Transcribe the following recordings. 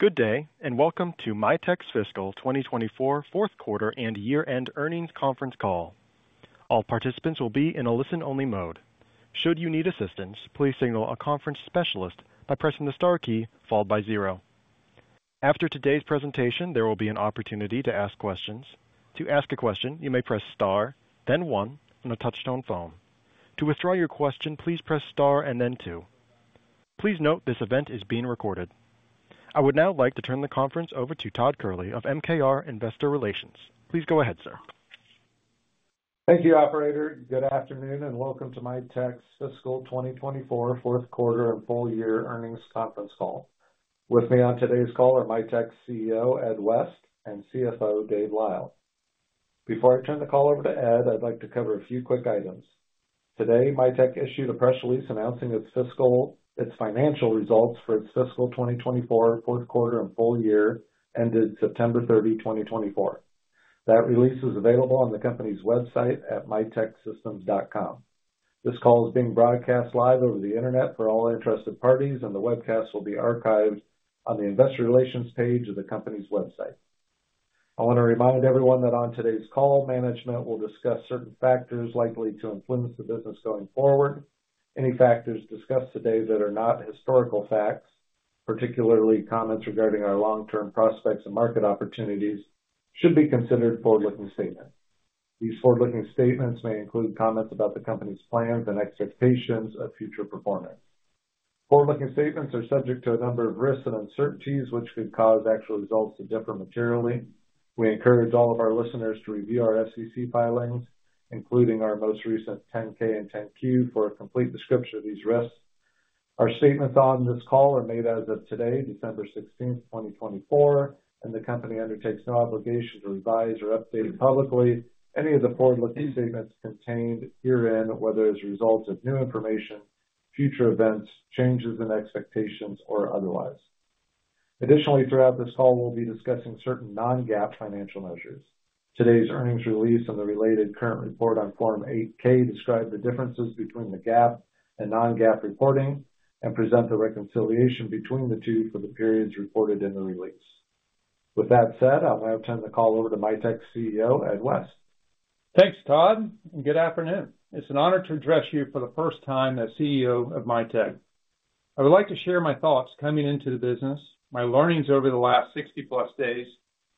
Good day, and welcome to Mitek's fiscal 2024 fourth quarter and year-end earnings conference call. All participants will be in a listen-only mode. Should you need assistance, please signal a conference specialist by pressing the star key followed by zero. After today's presentation, there will be an opportunity to ask questions. To ask a question, you may press star, then one, and a touch-tone phone. To withdraw your question, please press star and then two. Please note this event is being recorded. I would now like to turn the conference over to Todd Kehrli of MKR Investor Relations. Please go ahead, sir. Thank you, Operator. Good afternoon, and welcome to Mitek's fiscal 2024 fourth quarter and full year earnings conference call. With me on today's call are Mitek's CEO, Ed West, and CFO, Dave Lyle. Before I turn the call over to Ed, I'd like to cover a few quick items. Today, Mitek issued a press release announcing its financial results for its fiscal 2024 fourth quarter and full year ended September 30, 2024. That release is available on the company's website at miteksystems.com. This call is being broadcast live over the internet for all interested parties, and the webcast will be archived on the Investor Relations page of the company's website. I want to remind everyone that on today's call, management will discuss certain factors likely to influence the business going forward. Any factors discussed today that are not historical facts, particularly comments regarding our long-term prospects and market opportunities, should be considered forward-looking statements. These forward-looking statements may include comments about the company's plans and expectations of future performance. Forward-looking statements are subject to a number of risks and uncertainties, which could cause actual results to differ materially. We encourage all of our listeners to review our SEC filings, including our most recent 10-K and 10-Q, for a complete description of these risks. Our statements on this call are made as of today, December 16, 2024, and the company undertakes no obligation to revise or update publicly any of the forward-looking statements contained herein, whether as a result of new information, future events, changes in expectations, or otherwise. Additionally, throughout this call, we'll be discussing certain Non-GAAP financial measures. Today's earnings release and the related current report on Form 8-K describe the differences between the GAAP and non-GAAP reporting and present the reconciliation between the two for the periods reported in the release. With that said, I'll now turn the call over to Mitek's CEO, Ed West. Thanks, Todd, and good afternoon. It's an honor to address you for the first time as CEO of Mitek. I would like to share my thoughts coming into the business, my learnings over the last 60+ days,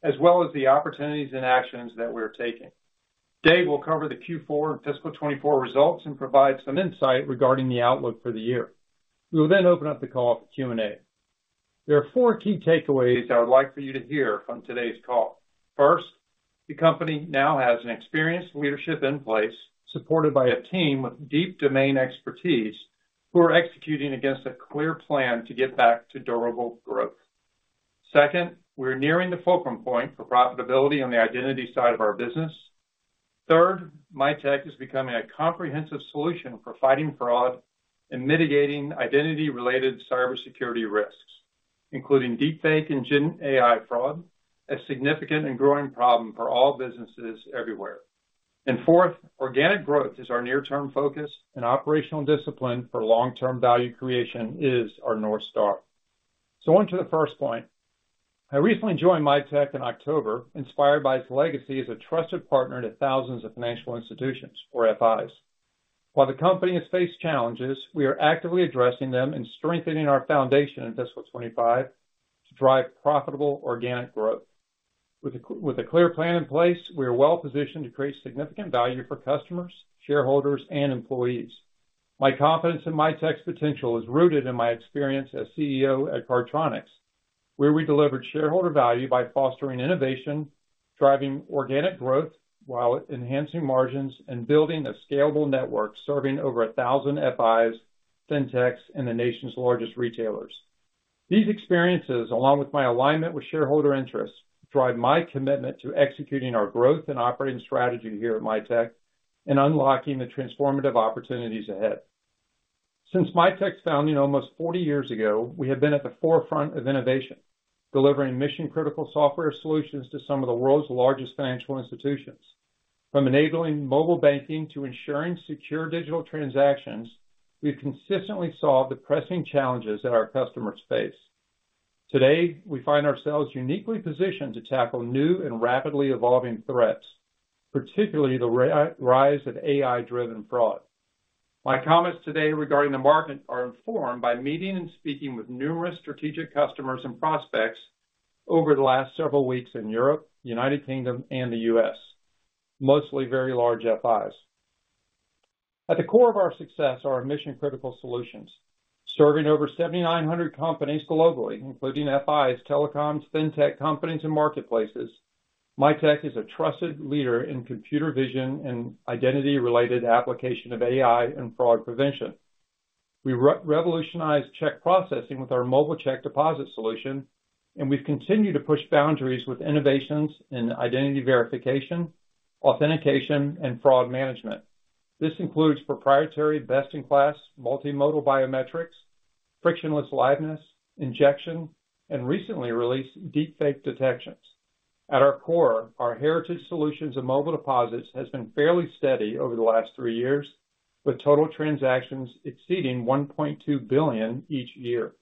as well as the opportunities and actions that we're taking. Dave will cover the Q4 and fiscal 2024 results and provide some insight regarding the outlook for the year. We will then open up the call for Q&A. There are four key takeaways I would like for you to hear from today's call. First, the company now has an experienced leadership in place supported by a team with deep domain expertise who are executing against a clear plan to get back to durable growth. Second, we're nearing the fulcrum point for profitability on the identity side of our business. Third, Mitek is becoming a comprehensive solution for fighting fraud and mitigating identity-related cybersecurity risks, including deepfake and Gen AI fraud, a significant and growing problem for all businesses everywhere. Fourth, organic growth is our near-term focus, and operational discipline for long-term value creation is our north star. On to the first point. I recently joined Mitek in October, inspired by its legacy as a trusted partner to thousands of financial institutions, or FIs. While the company has faced challenges, we are actively addressing them and strengthening our foundation in Fiscal 2025 to drive profitable organic growth. With a clear plan in place, we are well-positioned to create significant value for customers, shareholders, and employees. My confidence in Mitek's potential is rooted in my experience as CEO at Cardtronics, where we delivered shareholder value by fostering innovation, driving organic growth while enhancing margins and building a scalable network serving over 1,000 FIs, fintechs, and the nation's largest retailers. These experiences, along with my alignment with shareholder interests, drive my commitment to executing our growth and operating strategy here at Mitek and unlocking the transformative opportunities ahead. Since Mitek's founding almost 40 years ago, we have been at the forefront of innovation, delivering mission-critical software solutions to some of the world's largest financial institutions. From enabling mobile banking to ensuring secure digital transactions, we've consistently solved the pressing challenges that our customers face. Today, we find ourselves uniquely positioned to tackle new and rapidly evolving threats, particularly the rise of AI-driven fraud. My comments today regarding the market are informed by meeting and speaking with numerous strategic customers and prospects over the last several weeks in Europe, the United Kingdom, and the U.S., mostly very large FIs. At the core of our success are our mission-critical solutions. Serving over 7,900 companies globally, including FIs, telecoms, fintech companies, and marketplaces, Mitek is a trusted leader in computer vision and identity-related application of AI and fraud prevention. We revolutionized check processing with our mobile check deposit solution, and we've continued to push boundaries with innovations in identity verification, authentication, and fraud management. This includes proprietary best-in-class multimodal biometrics, frictionless liveness, injection, and recently released deepfake detections. At our core, our heritage solutions of mobile deposits has been fairly steady over the last three years, with total transactions exceeding 1.2 billion each year.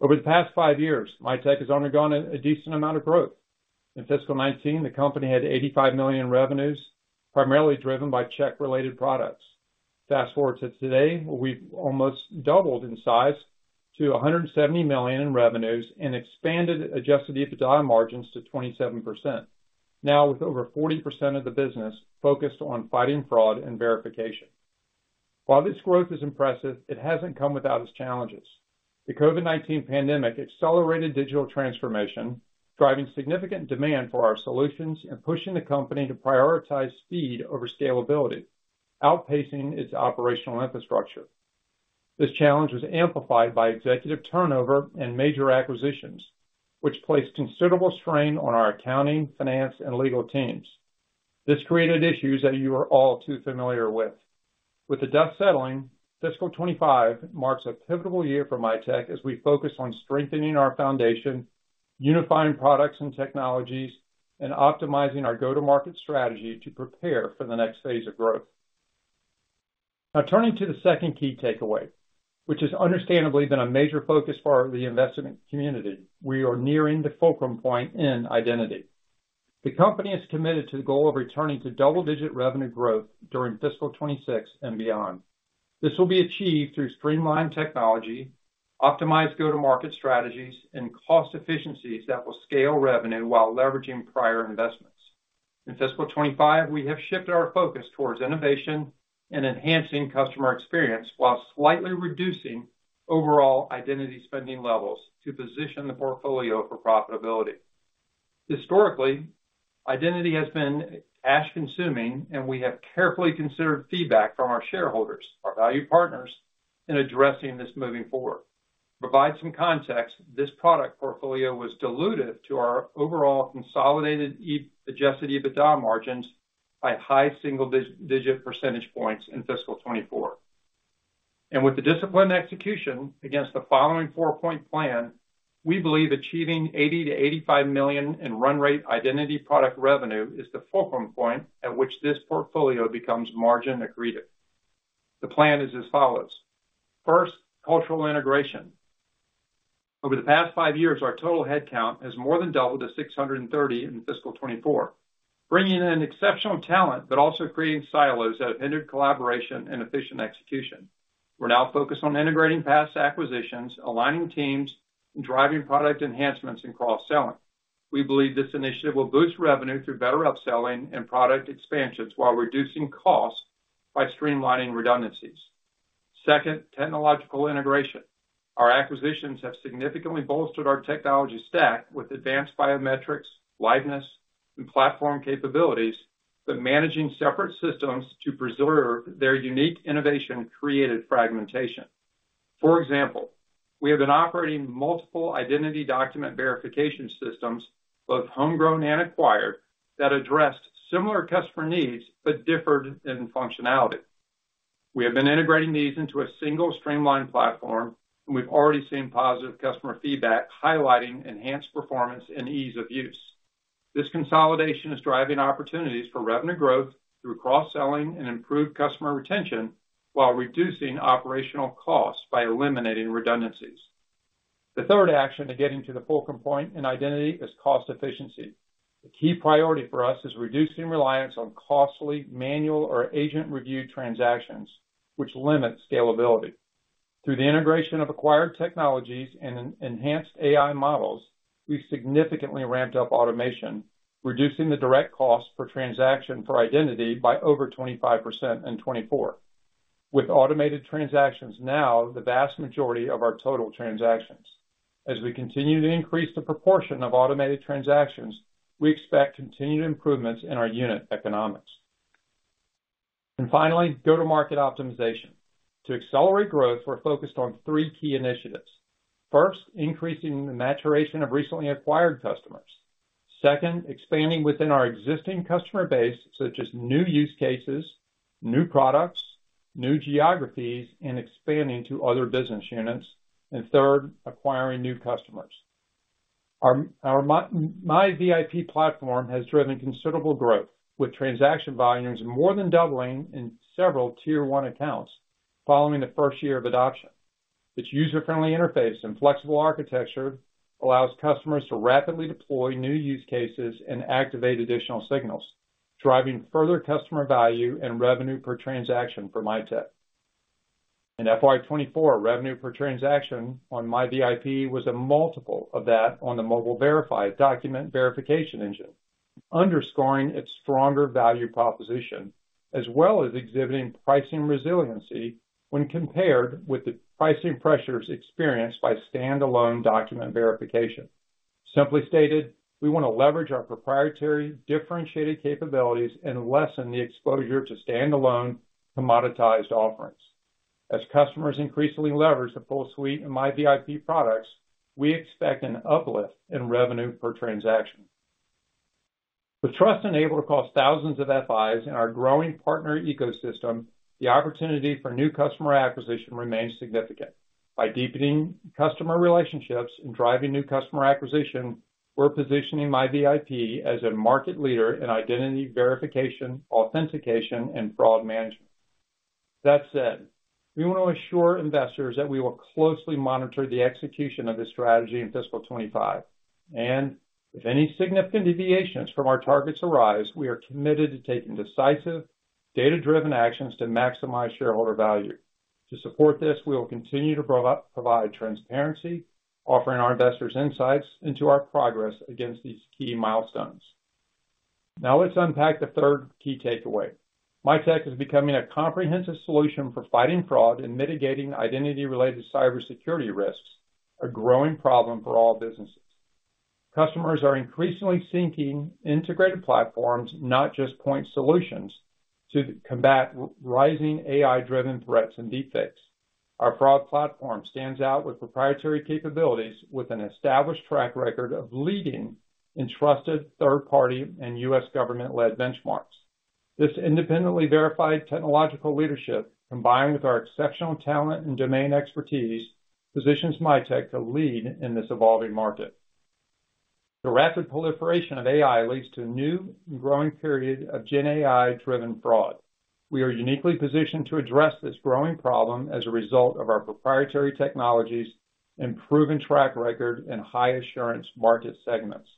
Over the past five years, Mitek has undergone a decent amount of growth. In fiscal 2019, the company had $85 million in revenues, primarily driven by check-related products. Fast forward to today, we've almost doubled in size to $170 million in revenues and expanded Adjusted EBITDA margins to 27%, now with over 40% of the business focused on fighting fraud and verification. While this growth is impressive, it hasn't come without its challenges. The COVID-19 pandemic accelerated digital transformation, driving significant demand for our solutions and pushing the company to prioritize speed over scalability, outpacing its operational infrastructure. This challenge was amplified by executive turnover and major acquisitions, which placed considerable strain on our accounting, finance, and legal teams. This created issues that you are all too familiar with. With the dust settling, fiscal 2025 marks a pivotal year for Mitek as we focus on strengthening our foundation, unifying products and technologies, and optimizing our go-to-market strategy to prepare for the next phase of growth. Now, turning to the second key takeaway, which has understandably been a major focus for the investment community, we are nearing the fulcrum point in identity. The company is committed to the goal of returning to double-digit revenue growth during fiscal 2026 and beyond. This will be achieved through streamlined technology, optimized go-to-market strategies, and cost efficiencies that will scale revenue while leveraging prior investments. In fiscal 2025, we have shifted our focus towards innovation and enhancing customer experience while slightly reducing overall identity spending levels to position the portfolio for profitability. Historically, identity has been cash-consuming, and we have carefully considered feedback from our shareholders, our value partners, in addressing this moving forward. To provide some context, this product portfolio was diluted to our overall consolidated Adjusted EBITDA margins by high single-digit percentage points in fiscal 2024. With the disciplined execution against the following four-point plan, we believe achieving $80 million-$85 million in run-rate identity product revenue is the fulcrum point at which this portfolio becomes margin accretive. The plan is as follows. First, cultural integration. Over the past five years, our total headcount has more than doubled to 630 in fiscal 2024, bringing in exceptional talent but also creating silos that have hindered collaboration and efficient execution. We're now focused on integrating past acquisitions, aligning teams, and driving product enhancements and cross-selling. We believe this initiative will boost revenue through better upselling and product expansions while reducing costs by streamlining redundancies. Second, technological integration. Our acquisitions have significantly bolstered our technology stack with advanced biometrics, liveness, and platform capabilities, but managing separate systems to preserve their unique innovation created fragmentation. For example, we have been operating multiple identity document verification systems, both homegrown and acquired, that addressed similar customer needs but differed in functionality. We have been integrating these into a single streamlined platform, and we've already seen positive customer feedback highlighting enhanced performance and ease of use. This consolidation is driving opportunities for revenue growth through cross-selling and improved customer retention while reducing operational costs by eliminating redundancies. The third action to getting to the fulcrum point in identity is cost efficiency. A key priority for us is reducing reliance on costly manual or agent-reviewed transactions, which limits scalability. Through the integration of acquired technologies and enhanced AI models, we've significantly ramped up automation, reducing the direct cost for transaction for identity by over 25% in 2024. With automated transactions now the vast majority of our total transactions. As we continue to increase the proportion of automated transactions, we expect continued improvements in our unit economics. And finally, go-to-market optimization. To accelerate growth, we're focused on three key initiatives. First, increasing the maturation of recently acquired customers. Second, expanding within our existing customer base, such as new use cases, new products, new geographies, and expanding to other business units. And third, acquiring new customers. MiVIP platform has driven considerable growth, with transaction volumes more than doubling in several tier-one accounts following the first year of adoption. Its user-friendly interface and flexible architecture allows customers to rapidly deploy new use cases and activate additional signals, driving further customer value and revenue per transaction for Mitek. In FY 2024, revenue per transaction on MiVIP was a multiple of that on the Mobile Verify document verification engine, underscoring its stronger value proposition, as well as exhibiting pricing resiliency when compared with the pricing pressures experienced by standalone document verification. Simply stated, we want to leverage our proprietary differentiated capabilities and lessen the exposure to standalone commoditized offerings. As customers increasingly leverage the full suite of MiVIP products, we expect an uplift in revenue per transaction. With trust enabled across thousands of FIs in our growing partner ecosystem, the opportunity for new customer acquisition remains significant. By deepening customer relationships and driving new customer acquisition, we're positioning MiVIP as a market leader in identity verification, authentication, and fraud management. That said, we want to assure investors that we will closely monitor the execution of this strategy in fiscal 2025. And if any significant deviations from our targets arise, we are committed to taking decisive, data-driven actions to maximize shareholder value. To support this, we will continue to provide transparency, offering our investors insights into our progress against these key milestones. Now let's unpack the third key takeaway. Mitek is becoming a comprehensive solution for fighting fraud and mitigating identity-related cybersecurity risks, a growing problem for all businesses. Customers are increasingly seeking integrated platforms, not just point solutions, to combat rising AI-driven threats and deepfakes. Our fraud platform stands out with proprietary capabilities, with an established track record of leading in trusted third-party and U.S. government-led benchmarks. This independently verified technological leadership, combined with our exceptional talent and domain expertise, positions Mitek to lead in this evolving market. The rapid proliferation of AI leads to a new and growing period of Gen AI-driven fraud. We are uniquely positioned to address this growing problem as a result of our proprietary technologies, improving track record, and high-assurance market segments.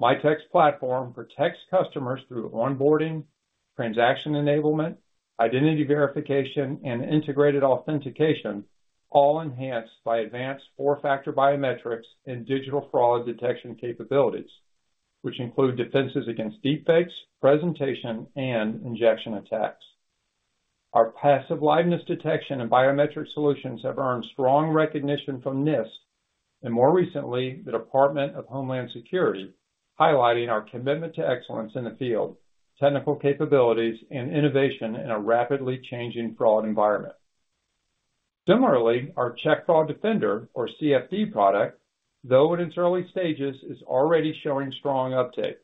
Mitek's platform protects customers through onboarding, transaction enablement, identity verification, and integrated authentication, all enhanced by advanced four-factor biometrics and digital fraud detection capabilities, which include defenses against deepfakes, presentation, and injection attacks. Our passive liveness detection and biometric solutions have earned strong recognition from NIST and, more recently, the Department of Homeland Security, highlighting our commitment to excellence in the field, technical capabilities, and innovation in a rapidly changing fraud environment. Similarly, our Check Fraud Defender, or CFD product, though in its early stages, is already showing strong uptake.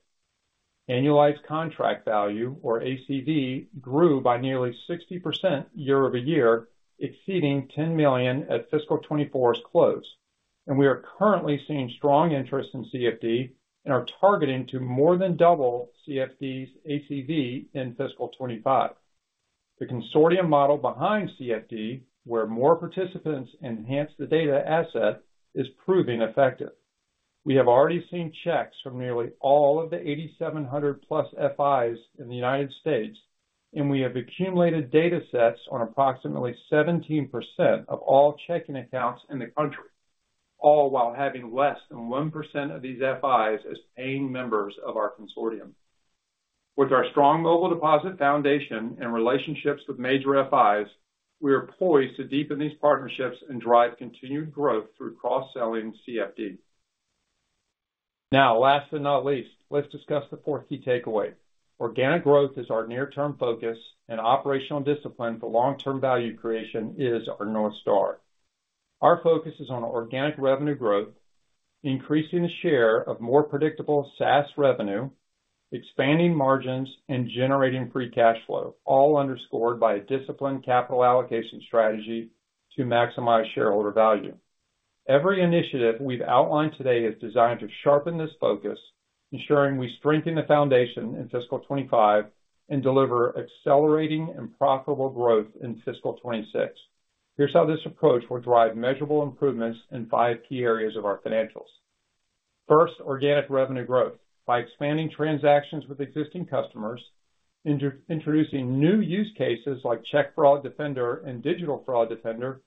Annualized contract value, or ACV, grew by nearly 60% year-over-year, exceeding $10 million at fiscal 2024's close. We are currently seeing strong interest in CFD and are targeting to more than double CFD's ACV in fiscal 2025. The consortium model behind CFD, where more participants enhance the data asset, is proving effective. We have already seen checks from nearly all of the 8,700+ FIs in the United States, and we have accumulated data sets on approximately 17% of all checking accounts in the country, all while having less than 1% of these FIs as paying members of our consortium. With our strong mobile deposit foundation and relationships with major FIs, we are poised to deepen these partnerships and drive continued growth through cross-selling CFD. Now, last but not least, let's discuss the fourth key takeaway. Organic growth is our near-term focus, and operational discipline for long-term value creation is our North Star. Our focus is on organic revenue growth, increasing the share of more predictable SaaS revenue, expanding margins, and generating free cash flow, all underscored by a disciplined capital allocation strategy to maximize shareholder value. Every initiative we've outlined today is designed to sharpen this focus, ensuring we strengthen the foundation in fiscal 2025 and deliver accelerating and profitable growth in fiscal 2026. Here's how this approach will drive measurable improvements in five key areas of our financials. First, organic revenue growth by expanding transactions with existing customers, introducing new use cases like Check Fraud Defender and Digital Fraud Defender,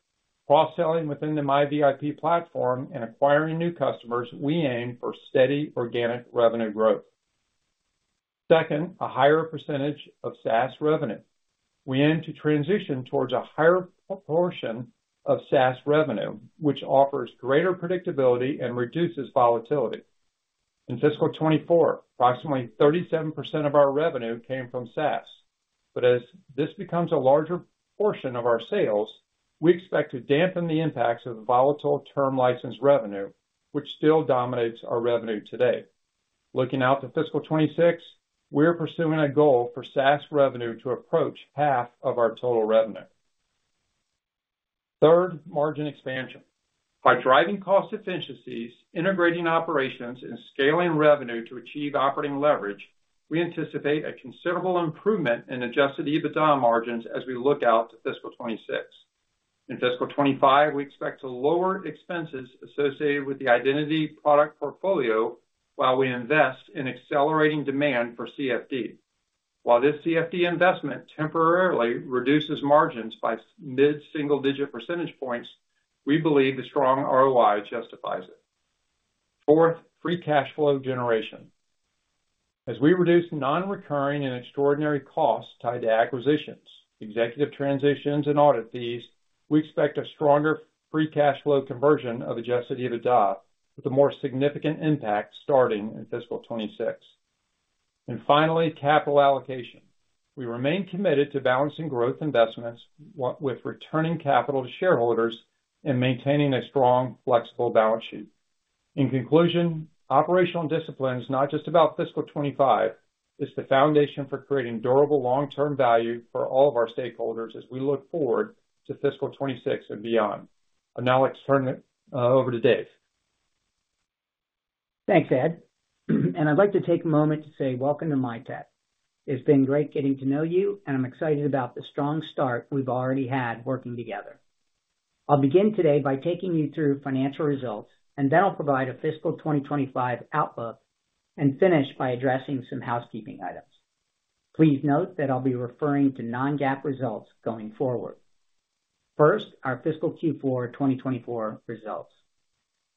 cross-selling within the MiVIP platform, and acquiring new customers. We aim for steady organic revenue growth. Second, a higher percentage of SaaS revenue. We aim to transition towards a higher proportion of SaaS revenue, which offers greater predictability and reduces volatility. In fiscal 2024, approximately 37% of our revenue came from SaaS. But as this becomes a larger portion of our sales, we expect to dampen the impacts of volatile term license revenue, which still dominates our revenue today. Looking out to fiscal 2026, we're pursuing a goal for SaaS revenue to approach half of our total revenue. Third, margin expansion. By driving cost efficiencies, integrating operations, and scaling revenue to achieve operating leverage, we anticipate a considerable improvement in Adjusted EBITDA margins as we look out to fiscal 2026. In fiscal 2025, we expect to lower expenses associated with the identity product portfolio while we invest in accelerating demand for CFD. While this CFD investment temporarily reduces margins by mid-single-digit percentage points, we believe the strong ROI justifies it. Fourth, free cash flow generation. As we reduce non-recurring and extraordinary costs tied to acquisitions, executive transitions, and audit fees, we expect a stronger free cash flow conversion of Adjusted EBITDA, with a more significant impact starting in fiscal 2026, and finally, capital allocation. We remain committed to balancing growth investments with returning capital to shareholders and maintaining a strong, flexible balance sheet. In conclusion, operational discipline is not just about fiscal 2025. It's the foundation for creating durable long-term value for all of our stakeholders as we look forward to Fiscal 2026 and beyond. I'll now turn it over to Dave. Thanks, Ed. And I'd like to take a moment to say welcome to Mitek. It's been great getting to know you, and I'm excited about the strong start we've already had working together. I'll begin today by taking you through financial results, and then I'll provide a fiscal 2025 outlook and finish by addressing some housekeeping items. Please note that I'll be referring to non-GAAP results going forward. First, our fiscal Q4 2024 results.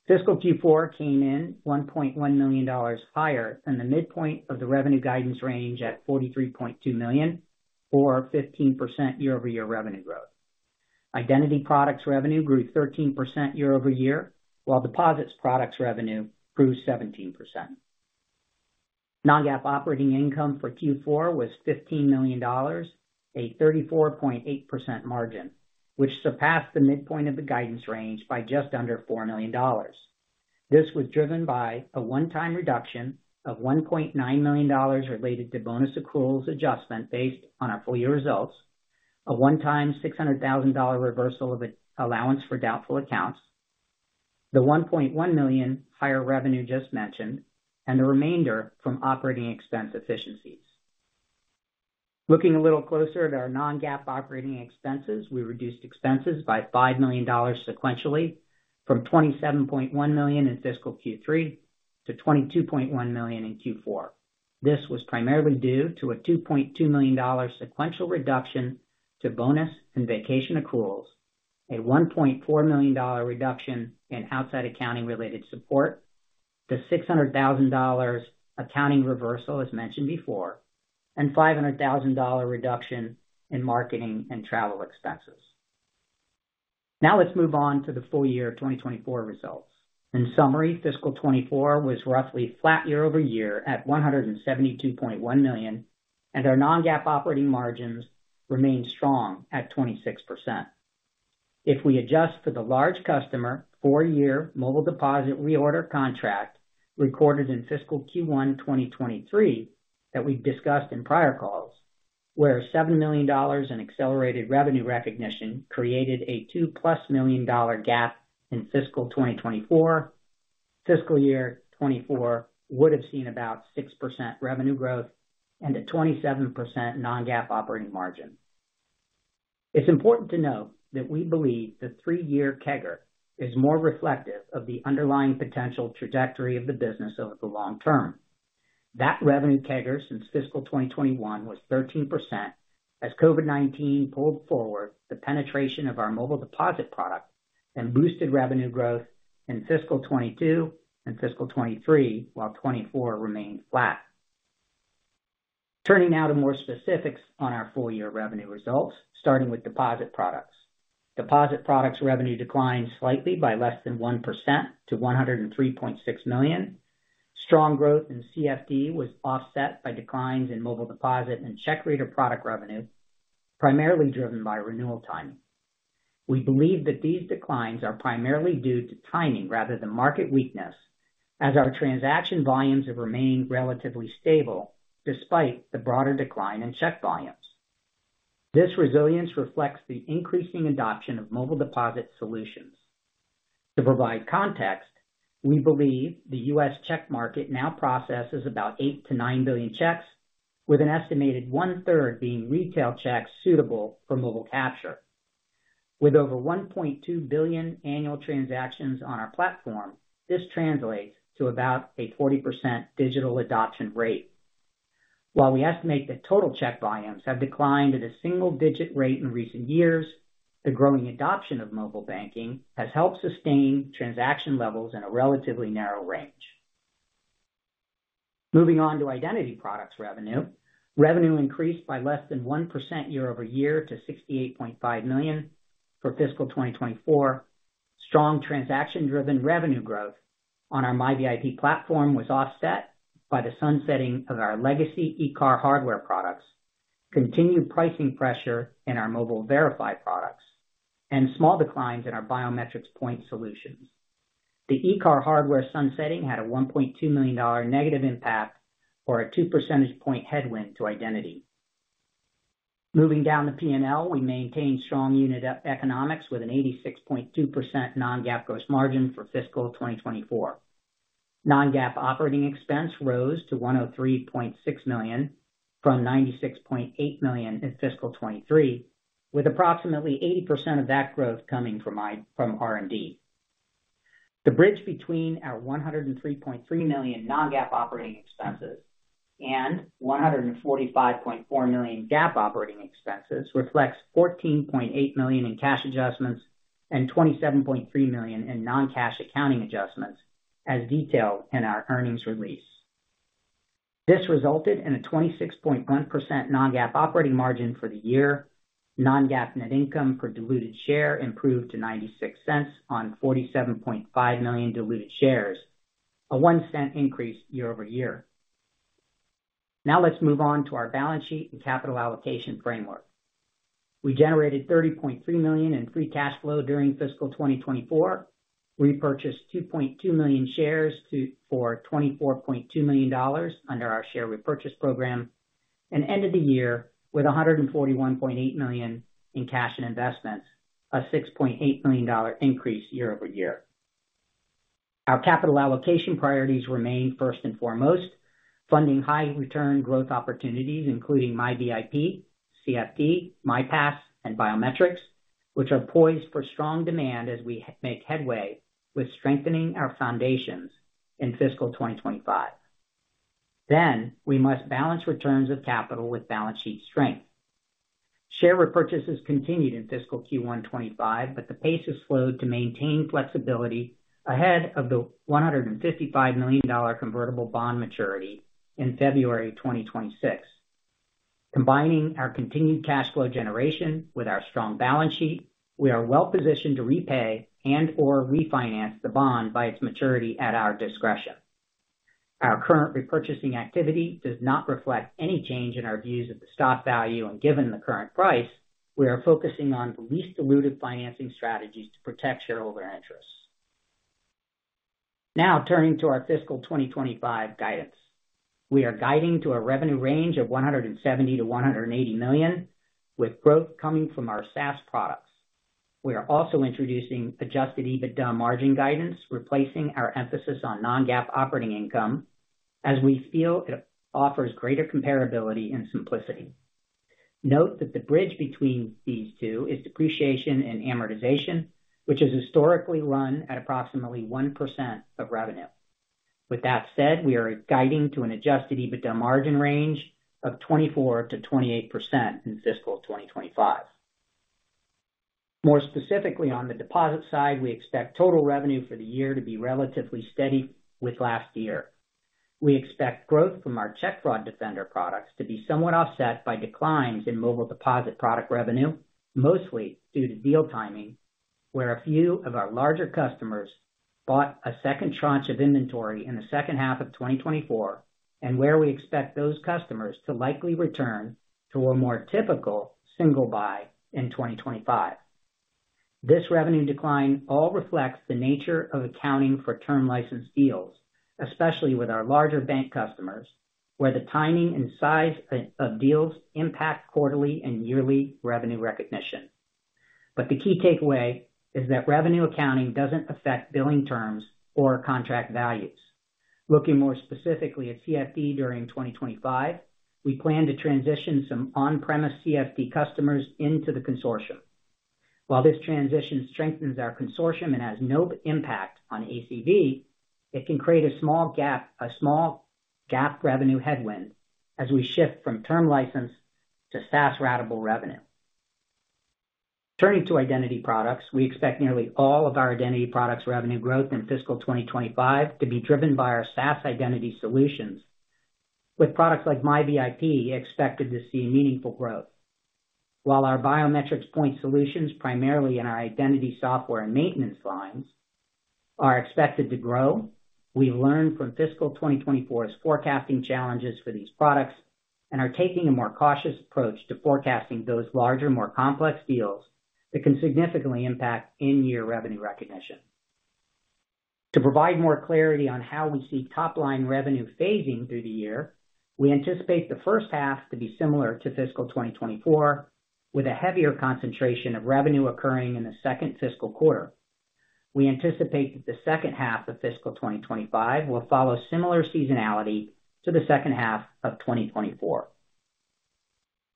Fiscal Q4 came in $1.1 million higher than the midpoint of the revenue guidance range at $43.2 million, or 15% year-over-year revenue growth. Identity products revenue grew 13% year-over-year, while deposit products revenue grew 17%. Non-GAAP operating income for Q4 was $15 million, a 34.8% margin, which surpassed the midpoint of the guidance range by just under $4 million. This was driven by a one-time reduction of $1.9 million related to bonus accruals adjustment based on our full year results, a one-time $600,000 reversal of an allowance for doubtful accounts, the $1.1 million higher revenue just mentioned, and the remainder from operating expense efficiencies. Looking a little closer at our non-GAAP operating expenses, we reduced expenses by $5 million sequentially from $27.1 million in fiscal Q3 to $22.1 million in Q4. This was primarily due to a $2.2 million sequential reduction to bonus and vacation accruals, a $1.4 million reduction in outside accounting-related support, the $600,000 accounting reversal as mentioned before, and $500,000 reduction in marketing and travel expenses. Now let's move on to the full year 2024 results. In summary, fiscal 2024 was roughly flat year-over-year at $172.1 million, and our non-GAAP operating margins remained strong at 26%. If we adjust for the large customer four-year mobile deposit reorder contract recorded in fiscal Q1 2023 that we've discussed in prior calls, where $7 million in accelerated revenue recognition created a $2+ million gap in fiscal 2024, fiscal year 2024 would have seen about 6% revenue growth and a 27% non-GAAP operating margin. It's important to note that we believe the three-year CAGR is more reflective of the underlying potential trajectory of the business over the long term. That revenue CAGR since fiscal 2021 was 13% as COVID-19 pulled forward the penetration of our mobile deposit product and boosted revenue growth in fiscal 2022 and fiscal 2023, while 2024 remained flat. Turning now to more specifics on our full year revenue results, starting with deposit products. Deposit products revenue declined slightly by less than 1% to $103.6 million. Strong growth in CFD was offset by declines in mobile deposit and check reader product revenue, primarily driven by renewal timing. We believe that these declines are primarily due to timing rather than market weakness, as our transaction volumes have remained relatively stable despite the broader decline in check volumes. This resilience reflects the increasing adoption of mobile deposit solutions. To provide context, we believe the U.S. check market now processes about 8-9 billion checks, with an estimated one-third being retail checks suitable for mobile capture. With over 1.2 billion annual transactions on our platform, this translates to about a 40% digital adoption rate. While we estimate that total check volumes have declined at a single-digit rate in recent years, the growing adoption of mobile banking has helped sustain transaction levels in a relatively narrow range. Moving on to identity products revenue, revenue increased by less than 1% year-over-year to $68.5 million for fiscal 2024. Strong transaction-driven revenue growth on our MiVIP platform was offset by the sunsetting of our legacy ICAR hardware products, continued pricing pressure in our Mobile Verify products, and small declines in our biometrics point solutions. The ICAR hardware sunsetting had a $1.2 million negative impact or a 2 percentage point headwind to identity. Moving down the P&L, we maintained strong unit economics with an 86.2% non-GAAP gross margin for fiscal 2024. Non-GAAP operating expense rose to $103.6 million from $96.8 million in fiscal 2023, with approximately 80% of that growth coming from R&D. The bridge between our $103.3 million non-GAAP operating expenses and $145.4 million GAAP operating expenses reflects $14.8 million in cash adjustments and $27.3 million in non-cash accounting adjustments, as detailed in our earnings release. This resulted in a 26.1% non-GAAP operating margin for the year. Non-GAAP net income for diluted share improved to $0.96 on 47.5 million diluted shares, a 1% increase year-over-year. Now let's move on to our balance sheet and capital allocation framework. We generated $30.3 million in free cash flow during fiscal 2024, repurchased $2.2 million shares for $24.2 million under our share repurchase program, and ended the year with $141.8 million in cash and investments, a $6.8 million increase year-over-year. Our capital allocation priorities remain first and foremost, funding high-return growth opportunities, including MiVIP, CFD, MiPass, and biometrics, which are poised for strong demand as we make headway with strengthening our foundations in fiscal 2025. Then we must balance returns of capital with balance sheet strength. Share repurchases continued in fiscal Q1 2025, but the pace has slowed to maintain flexibility ahead of the $155 million convertible bond maturity in February 2026. Combining our continued cash flow generation with our strong balance sheet, we are well positioned to repay and/or refinance the bond by its maturity at our discretion. Our current repurchasing activity does not reflect any change in our views of the stock value, and given the current price, we are focusing on the least dilutive financing strategies to protect shareholder interests. Now turning to our fiscal 2025 guidance, we are guiding to a revenue range of $170 million-$180 million, with growth coming from our SaaS products. We are also introducing adjusted EBITDA margin guidance, replacing our emphasis on non-GAAP operating income, as we feel it offers greater comparability and simplicity. Note that the bridge between these two is depreciation and amortization, which is historically run at approximately 1% of revenue. With that said, we are guiding to an adjusted EBITDA margin range of 24%-28% in fiscal 2025. More specifically on the deposit side, we expect total revenue for the year to be relatively steady with last year. We expect growth from our Check Fraud Defender products to be somewhat offset by declines in Mobile Deposit product revenue, mostly due to deal timing, where a few of our larger customers bought a second tranche of inventory in the second half of 2024, and where we expect those customers to likely return to a more typical single buy in 2025. This revenue decline also reflects the nature of accounting for term license deals, especially with our larger bank customers, where the timing and size of deals impact quarterly and yearly revenue recognition. But the key takeaway is that revenue accounting doesn't affect billing terms or contract values. Looking more specifically at CFD during 2025, we plan to transition some on-premise CFD customers into the consortium. While this transition strengthens our consortium and has no impact on ACV, it can create a small GAAP revenue headwind as we shift from term license to SaaS ratable revenue. Turning to identity products, we expect nearly all of our identity products revenue growth in fiscal 2025 to be driven by our SaaS identity solutions, with products like MiVIP expected to see meaningful growth. While our biometrics point solutions, primarily in our identity software and maintenance lines, are expected to grow, we've learned from fiscal 2024's forecasting challenges for these products and are taking a more cautious approach to forecasting those larger, more complex deals that can significantly impact in-year revenue recognition. To provide more clarity on how we see top-line revenue phasing through the year, we anticipate the first half to be similar to fiscal 2024, with a heavier concentration of revenue occurring in the second fiscal quarter. We anticipate that the second half of fiscal 2025 will follow similar seasonality to the second half of 2024.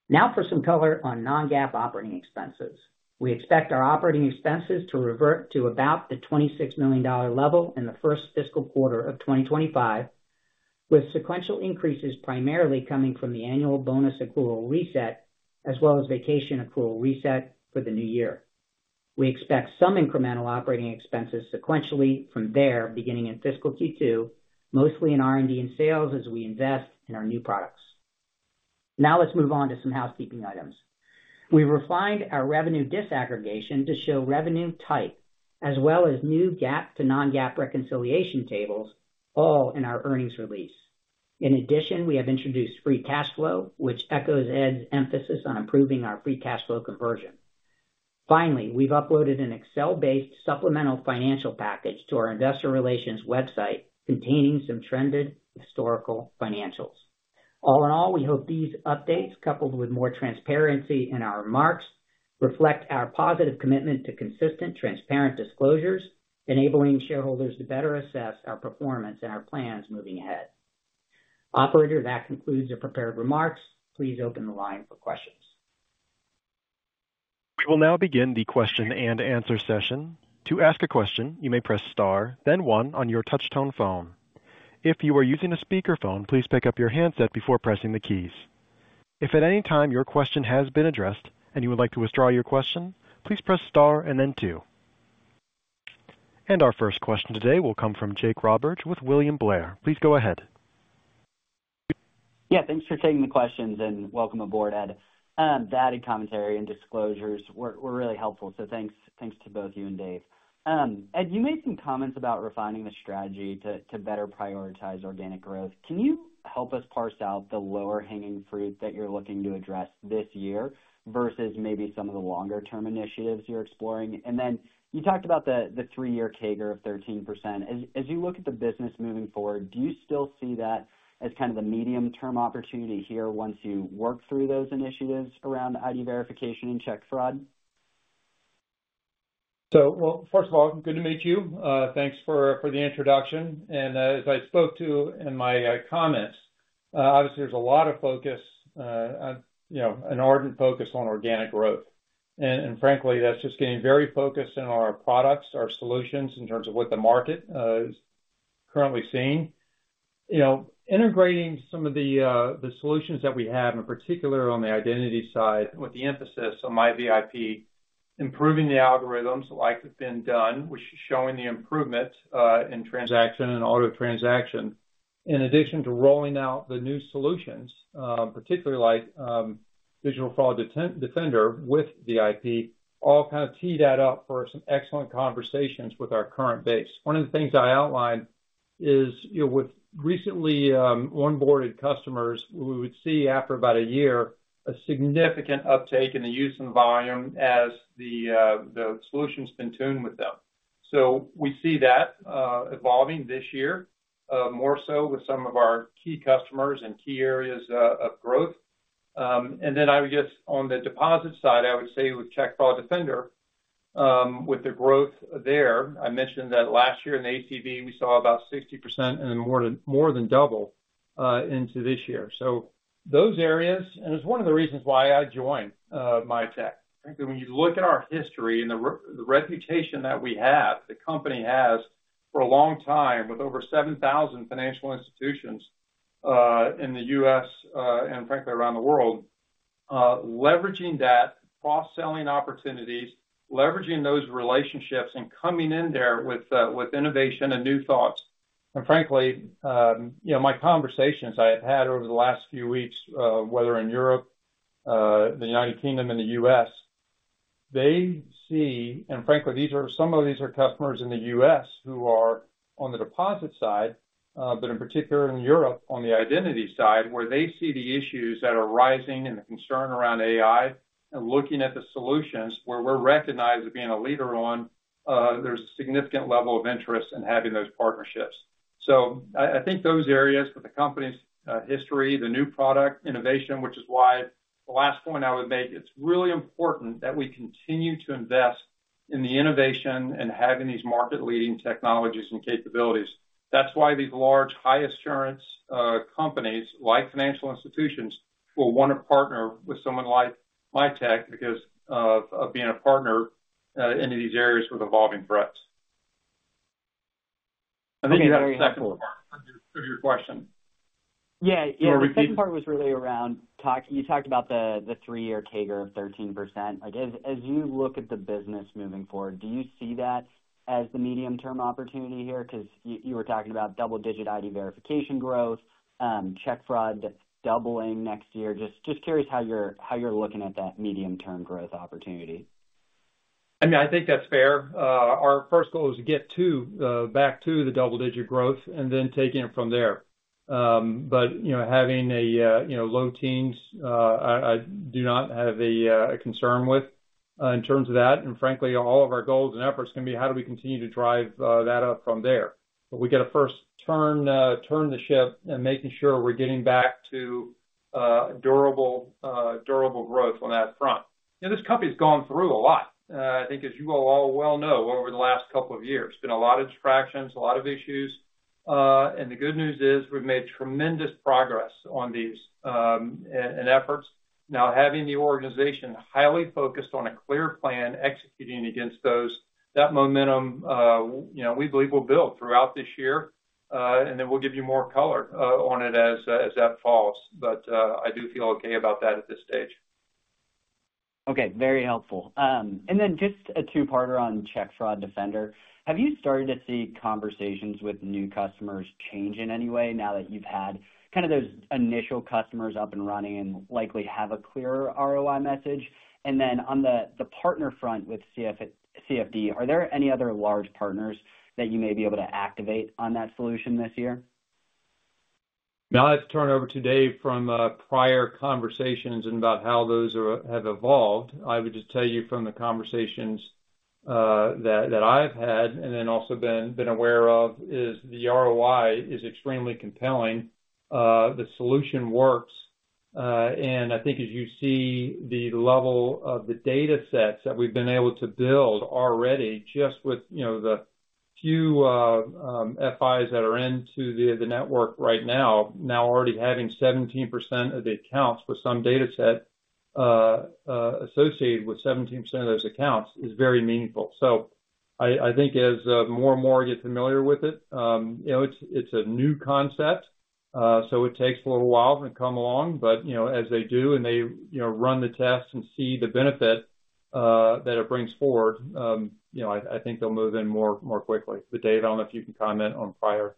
Now for some color on non-GAAP operating expenses. We expect our operating expenses to revert to about the $26 million level in the first fiscal quarter of 2025, with sequential increases primarily coming from the annual bonus accrual reset as well as vacation accrual reset for the new year. We expect some incremental operating expenses sequentially from there beginning in fiscal Q2, mostly in R&D and sales as we invest in our new products. Now let's move on to some housekeeping items. We've refined our revenue disaggregation to show revenue type, as well as new GAAP to non-GAAP reconciliation tables, all in our earnings release. In addition, we have introduced free cash flow, which echoes Ed's emphasis on improving our free cash flow conversion. Finally, we've uploaded an Excel-based supplemental financial package to our investor relations website containing some trended historical financials. All in all, we hope these updates, coupled with more transparency in our remarks, reflect our positive commitment to consistent, transparent disclosures, enabling shareholders to better assess our performance and our plans moving ahead. Operator, that concludes the prepared remarks. Please open the line for questions. We will now begin the question and answer session. To ask a question, you may press star, then one on your touch-tone phone. If you are using a speakerphone, please pick up your handset before pressing the keys. If at any time your question has been addressed and you would like to withdraw your question, please press star and then two. And our first question today will come from Jake Roberge with William Blair. Please go ahead. Yeah, thanks for taking the questions and welcome aboard, Ed. The added commentary and disclosures were really helpful, so thanks to both you and Dave. Ed, you made some comments about refining the strategy to better prioritize organic growth. Can you help us parse out the low-hanging fruit that you're looking to address this year versus maybe some of the longer-term initiatives you're exploring? And then you talked about the three-year CAGR of 13%. As you look at the business moving forward, do you still see that as kind of the medium-term opportunity here once you work through those initiatives around ID verification and check fraud? Well, first of all, good to meet you. Thanks for the introduction. And as I spoke to in my comments, obviously there's a lot of focus, an ardent focus on organic growth. and frankly, that's just getting very focused in our products, our solutions in terms of what the market is currently seeing. Integrating some of the solutions that we have, in particular on the identity side, with the emphasis on MiVIP, improving the algorithms like they've been done, which is showing the improvement in transaction and auto transaction, in addition to rolling out the new solutions, particularly like Digital Fraud Defender with MiVIP, all kind of teed that up for some excellent conversations with our current base. One of the things I outlined is with recently onboarded customers, we would see after about a year a significant uptake in the use and volume as the solution has been tuned with them. so we see that evolving this year more so with some of our key customers and key areas of growth. And then I would guess on the deposit side, I would say with Check Fraud Defender, with the growth there, I mentioned that last year in the ACV, we saw about 60% and more than double into this year. So those areas, and it's one of the reasons why I joined Mitek. Frankly, when you look at our history and the reputation that we have, the company has for a long time with over 7,000 financial institutions in the U.S. and frankly around the world, leveraging that, cross-selling opportunities, leveraging those relationships and coming in there with innovation and new thoughts. And frankly, my conversations I have had over the last few weeks, whether in Europe, the United Kingdom, and the U.S., they see, and frankly, some of these are customers in the U.S. who are on the deposit side, but in particular in Europe on the identity side, where they see the issues that are rising and the concern around AI and looking at the solutions where we're recognized as being a leader on, there's a significant level of interest in having those partnerships. So I think those areas with the company's history, the new product innovation, which is why the last point I would make, it's really important that we continue to invest in the innovation and having these market-leading technologies and capabilities. That's why these large high-assurance companies like financial institutions will want to partner with someone like Mitek because of being a partner into these areas with evolving threats. I think that's the second part of your question. Yeah, the second part was really around you talked about the three-year CAGR of 13%. As you look at the business moving forward, do you see that as the medium-term opportunity here? Because you were talking about double-digit ID verification growth, check fraud doubling next year. Just curious how you're looking at that medium-term growth opportunity. I mean, I think that's fair. Our first goal is to get back to the double-digit growth and then taking it from there. But having a low teens, I do not have a concern with in terms of that. And frankly, all of our goals and efforts can be how do we continue to drive that up from there. But we got to first turn the ship and making sure we're getting back to durable growth on that front. This company has gone through a lot. I think as you all well know, over the last couple of years, there's been a lot of distractions, a lot of issues. And the good news is we've made tremendous progress on these and efforts. Now, having the organization highly focused on a clear plan executing against that momentum, we believe we'll build throughout this year. And then we'll give you more color on it as that falls. But I do feel okay about that at this stage. Okay, very helpful. And then just a two-parter on Check Fraud Defender. Have you started to see conversations with new customers change in any way now that you've had kind of those initial customers up and running and likely have a clearer ROI message? And then on the partner front with CFD, are there any other large partners that you may be able to activate on that solution this year? Now, I have to turn over to Dave from prior conversations and about how those have evolved. I would just tell you from the conversations that I've had and then also been aware of is the ROI is extremely compelling. The solution works. And I think as you see the level of the data sets that we've been able to build already just with the few FIs that are into the network right now, now already having 17% of the accounts with some data set associated with 17% of those accounts is very meaningful. So I think as more and more get familiar with it, it's a new concept. So it takes a little while to come along. But as they do and they run the tests and see the benefit that it brings forward, I think they'll move in more quickly. But Dave, I don't know if you can comment on prior.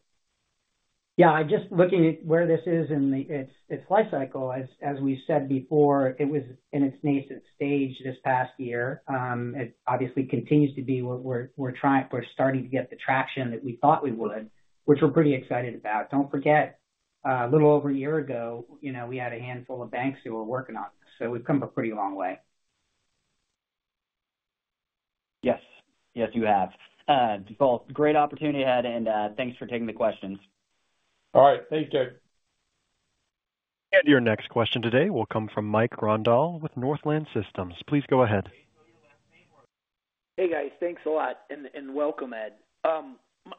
Yeah, just looking at where this is and its life cycle, as we said before, it was in its nascent stage this past year. It obviously continues to be what we're starting to get the traction that we thought we would, which we're pretty excited about. Don't forget, a little over a year ago, we had a handful of banks who were working on this. So we've come a pretty long way. Yes, yes, you have. Well, great opportunity, Ed, and thanks for taking the questions. All right, thank you, Jake. And your next question today will come from Mike Grondahl with Northland Securities. Please go ahead. Hey, guys, thanks a lot. And welcome, Ed.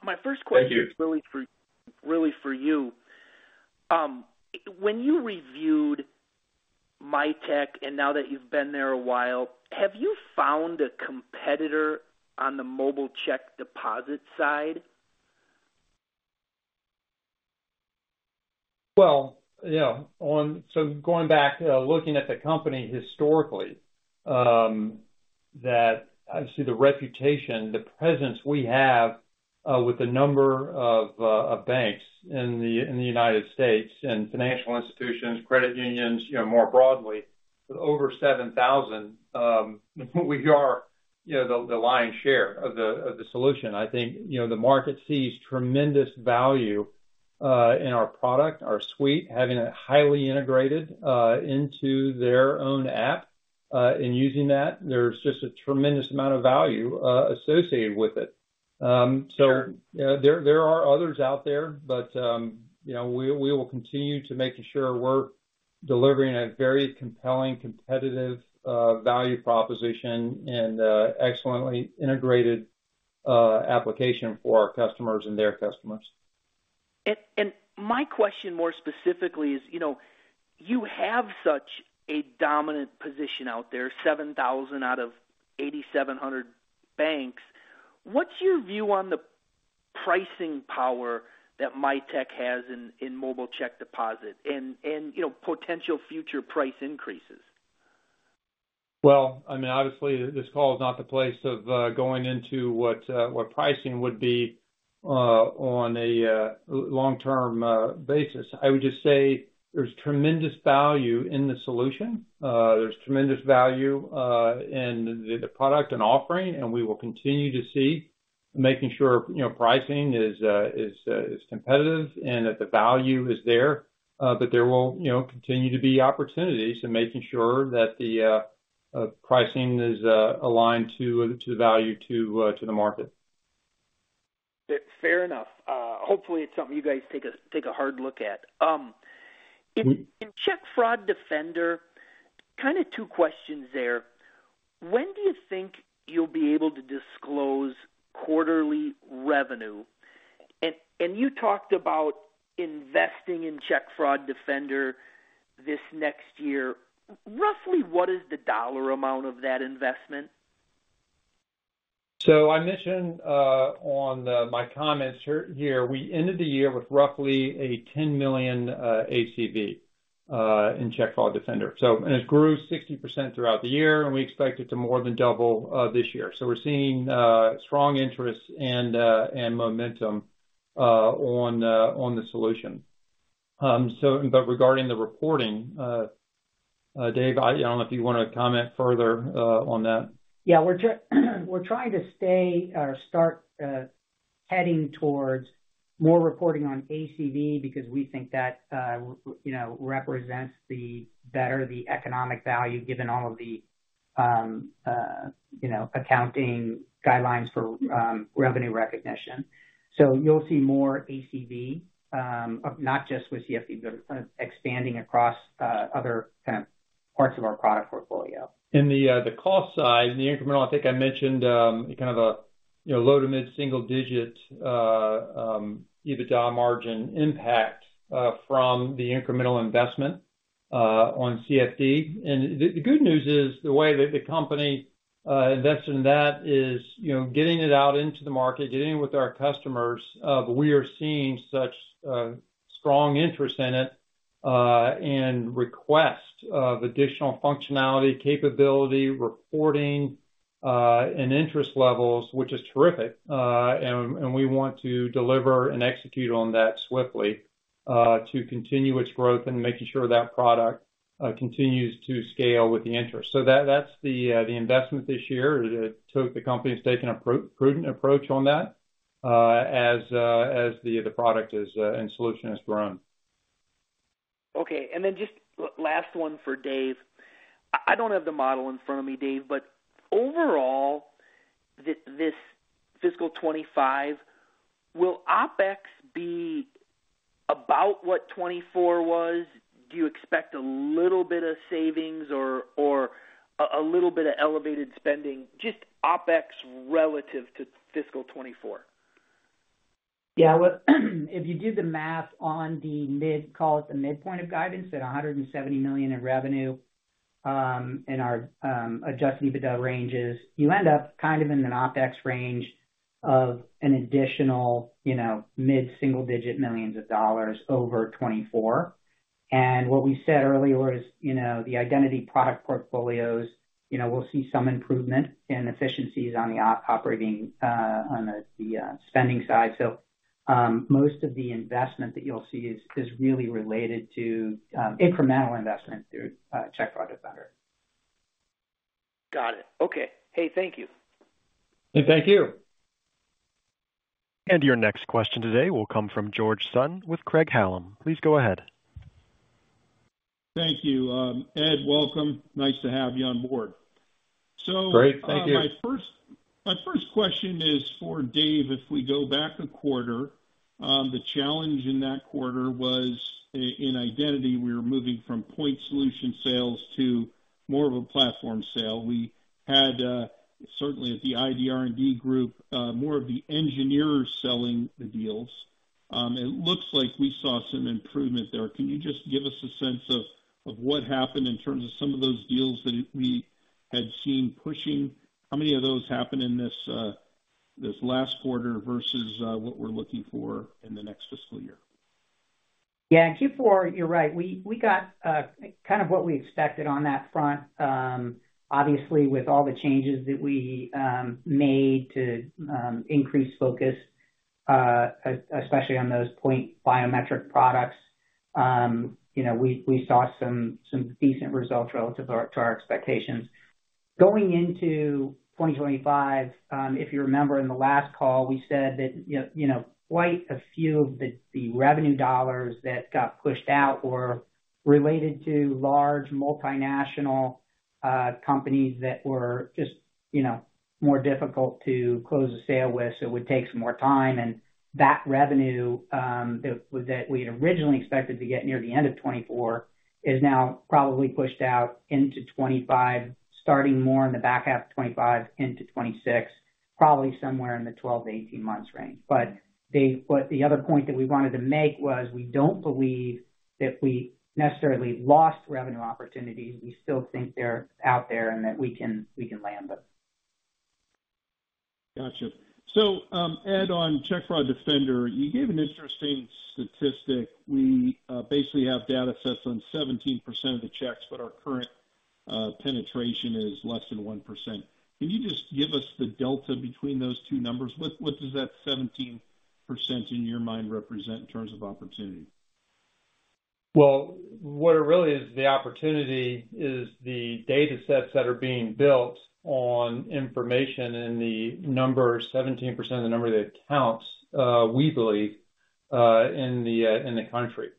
My first question is really for you. When you reviewed Mitek and now that you've been there a while, have you found a competitor on the mobile check deposit side? Well, yeah. Going back, looking at the company historically, I see the reputation, the presence we have with the number of banks in the United States and financial institutions, credit unions more broadly, over 7,000, we are the lion's share of the solution. I think the market sees tremendous value in our product, our suite, having it highly integrated into their own app and using that. There's just a tremendous amount of value associated with it. So there are others out there, but we will continue to make sure we're delivering a very compelling, competitive value proposition and excellently integrated application for our customers and their customers. And my question more specifically is, you have such a dominant position out there, 7,000 out of 8,700 banks. What's your view on the pricing power that Mitek has in mobile check deposit and potential future price increases? Well, I mean, obviously, this call is not the place to go into what pricing would be on a long-term basis. I would just say there's tremendous value in the solution. There's tremendous value in the product and offering, and we will continue to make sure pricing is competitive and that the value is there. But there will continue to be opportunities and making sure that the pricing is aligned to the value to the market. Fair enough. Hopefully, it's something you guys take a hard look at. In Check Fraud Defender, kind of two questions there. When do you think you'll be able to disclose quarterly revenue? And you talked about investing in Check Fraud Defender this next year. Roughly, what is the dollar amount of that investment? So I mentioned on my comments here, we ended the year with roughly a $10 million ACV in Check Fraud Defender. And it grew 60% throughout the year, and we expect it to more than double this year. So we're seeing strong interest and momentum on the solution. But regarding the reporting, Dave, I don't know if you want to comment further on that. Yeah, we're trying to start heading towards more reporting on ACV because we think that represents better the economic value given all of the accounting guidelines for revenue recognition. So you'll see more ACV, not just with CFD, but expanding across other kind of parts of our product portfolio. In the cost side and the incremental, I think I mentioned kind of a low to mid single-digit EBITDA margin impact from the incremental investment on CFD. The good news is the way that the company invested in that is getting it out into the market, getting it with our customers. We are seeing such strong interest in it and request of additional functionality, capability, reporting, and interest levels, which is terrific. We want to deliver and execute on that swiftly to continue its growth and making sure that product continues to scale with the interest. That's the investment this year. The company has taken a prudent approach on that as the product and solution has grown. Okay. And then just last one for Dave. I don't have the model in front of me, Dave, but overall, this fiscal 2025, will OpEx be about what 2024 was? Do you expect a little bit of savings or a little bit of elevated spending, just OpEx relative to fiscal 2024? Yeah, if you do the math on the, call it the midpoint of guidance at $170 million in revenue and our adjusted EBITDA ranges, you end up kind of in an OpEx range of an additional mid single-digit millions of dollars over 24. And what we said earlier is the identity product portfolios, we'll see some improvement in efficiencies on the operating on the spending side. So most of the investment that you'll see is really related to incremental investment through Check Fraud Defender. Got it. Okay. Hey, thank you. Thank you. And your next question today will come from George Sutton with Craig-Hallum. Please go ahead. Thank you. Ed, welcome. Nice to have you on board. So my first question is for Dave. If we go back a quarter, the challenge in that quarter was in identity. We were moving from point solution sales to more of a platform sale. We had, certainly at the ID R&D group, more of the engineers selling the deals. It looks like we saw some improvement there. Can you just give us a sense of what happened in terms of some of those deals that we had seen pushing? How many of those happened in this last quarter versus what we're looking for in the next fiscal year? Yeah, Q4, you're right. We got kind of what we expected on that front. Obviously, with all the changes that we made to increase focus, especially on those point biometric products, we saw some decent results relative to our expectations. Going into 2025, if you remember in the last call, we said that quite a few of the revenue dollars that got pushed out were related to large multinational companies that were just more difficult to close a sale with, so it would take some more time, and that revenue that we had originally expected to get near the end of 2024 is now probably pushed out into 2025, starting more in the back half of 2025 into 2026, probably somewhere in the 12-18 months range, but the other point that we wanted to make was we don't believe that we necessarily lost revenue opportunities. We still think they're out there and that we can land them. Gotcha. So Ed, on Check Fraud Defender, you gave an interesting statistic. We basically have data sets on 17% of the checks, but our current penetration is less than 1%. Can you just give us the delta between those two numbers? What does that 17% in your mind represent in terms of opportunity? Well, what it really is, the opportunity is the data sets that are being built on information and the number, 17% of the number of the accounts, we believe, in the country.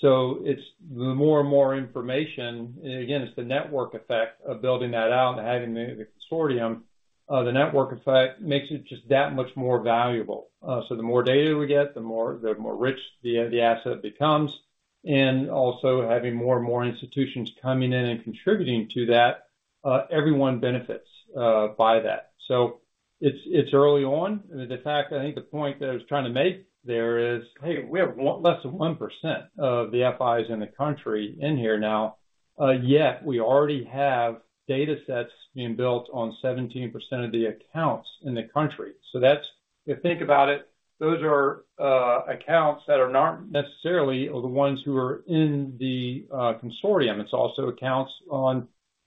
So the more and more information, again, it's the network effect of building that out and having the consortium. The network effect makes it just that much more valuable. So the more data we get, the more rich the asset becomes. And also having more and more institutions coming in and contributing to that, everyone benefits by that. So it's early on. And in fact, I think the point that I was trying to make there is, hey, we have less than 1% of the FIs in the country in here now, yet we already have data sets being built on 17% of the accounts in the country. So if you think about it, those are accounts that are not necessarily the ones who are in the consortium. It's also accounts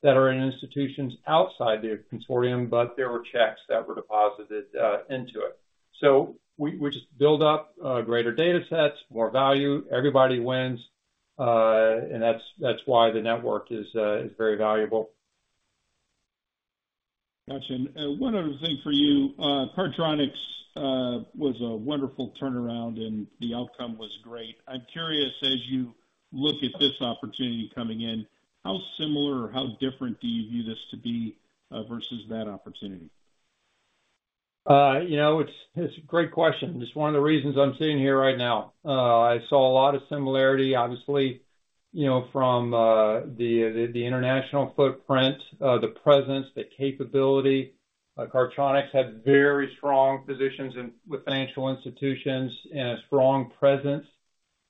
that are in institutions outside the consortium, but there were checks that were deposited into it. So we just build up greater data sets, more value. Everybody wins. And that's why the network is very valuable. Gotcha. And one other thing for you, Cardtronics was a wonderful turnaround and the outcome was great. I'm curious, as you look at this opportunity coming in, how similar or how different do you view this to be versus that opportunity? It's a great question. It's one of the reasons I'm sitting here right now. I saw a lot of similarity, obviously, from the international footprint, the presence, the capability. Cardtronics had very strong positions with financial institutions and a strong presence,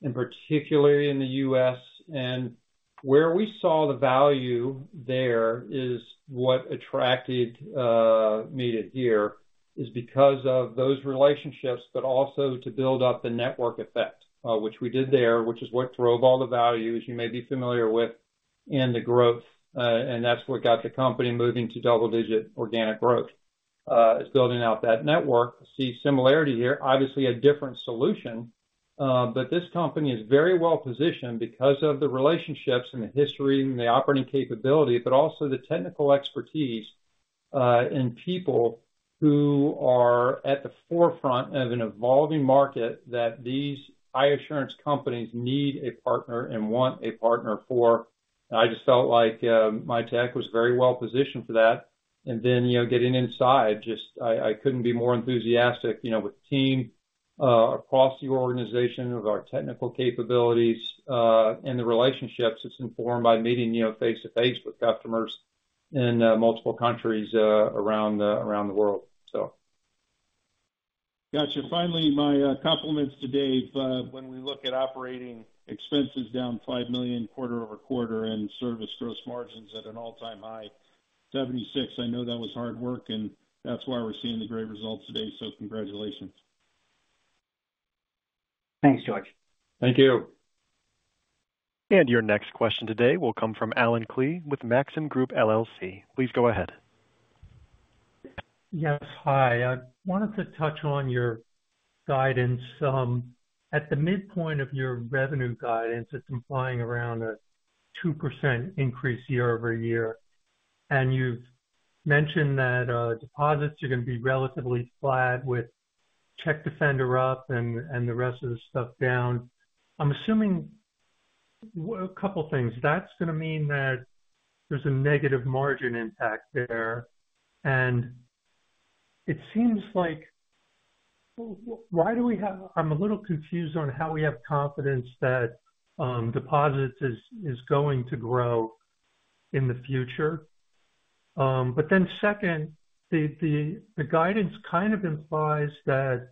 in particular in the U.S. And where we saw the value there is what attracted me to here is because of those relationships, but also to build up the network effect, which we did there, which is what drove all the value, as you may be familiar with, and the growth. And that's what got the company moving to double-digit organic growth, is building out that network. I see similarity here, obviously a different solution, but this company is very well positioned because of the relationships and the history and the operating capability, but also the technical expertise and people who are at the forefront of an evolving market that these high-assurance companies need a partner and want a partner for. And I just felt like Mitek was very well positioned for that. And then getting inside, just I couldn't be more enthusiastic with the team across the organization of our technical capabilities and the relationships it's informed by meeting face-to-face with customers in multiple countries around the world, so. Gotcha. Finally, my compliments to Dave. When we look at operating expenses down $5 million quarter-over-quarter and service gross margins at an all-time high, 76%, I know that was hard work, and that's why we're seeing the great results today. So congratulations. Thanks, George. Thank you. And your next question today will come from Allen Klee with Maxim Group LLC. Please go ahead. Yes. Hi. I wanted to touch on your guidance. At the midpoint of your revenue guidance, it's implying around a 2% increase year-over-year. And you've mentioned that deposits are going to be relatively flat with Check Defender up and the rest of the stuff down. I'm assuming a couple of things. That's going to mean that there's a negative margin impact there. And it seems like, I'm a little confused on how we have confidence that deposits is going to grow in the future. But then second, the guidance kind of implies that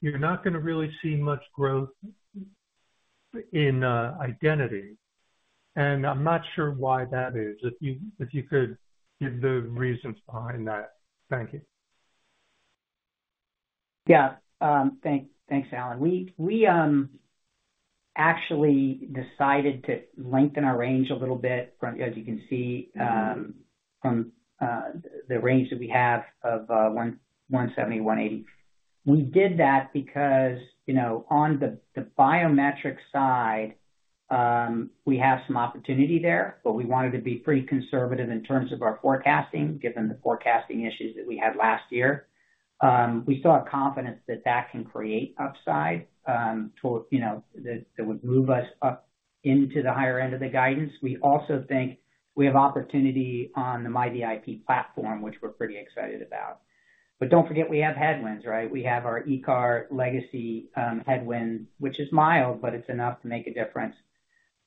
you're not going to really see much growth in identity. And I'm not sure why that is. If you could give the reasons behind that. Thank you. Yeah. Thanks, Allen. We actually decided to lengthen our range a little bit, as you can see, from the range that we have of 170-180. We did that because on the biometric side, we have some opportunity there, but we wanted to be pretty conservative in terms of our forecasting, given the forecasting issues that we had last year. We still have confidence that that can create upside that would move us up into the higher end of the guidance. We also think we have opportunity on the MiVIP platform, which we're pretty excited about. But don't forget, we have headwinds, right? We have our ICAR legacy headwind, which is mild, but it's enough to make a difference.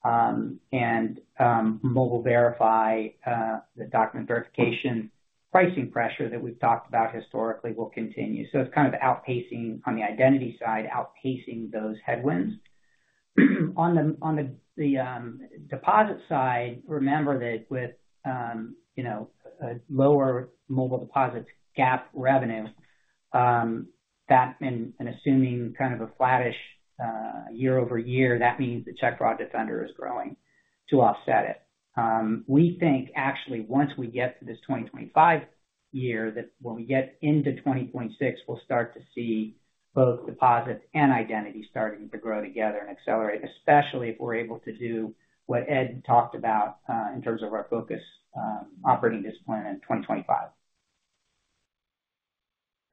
And Mobile Verify, the document verification pricing pressure that we've talked about historically will continue. So it's kind of outpacing on the identity side, outpacing those headwinds. On the deposit side, remember that with a lower mobile deposits gap revenue, and assuming kind of a flattish year over year, that means the Check Fraud Defender is growing to offset it. We think, actually, once we get to this 2025 year, that when we get into 2026, we'll start to see both deposits and identity starting to grow together and accelerate, especially if we're able to do what Ed talked about in terms of our focus operating discipline in